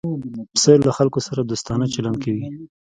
پسه له خلکو سره دوستانه چلند کوي.